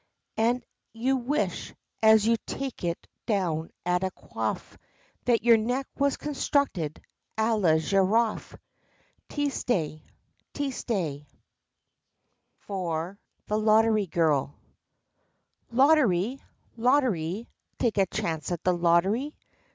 And you wish, as you take it down at a quaff, That your neck was constructed à la giraffe. Teestay, teestay. IV The Lottery Girl "Lottery, lottery, Take a chance at the lottery?